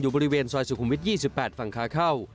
อยู่บริเวณซอยสุขุมวิทยี่สิบแปดฝั่งคาเข้า